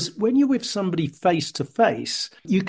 sedangkan ketika anda bersama seseorang secara langsung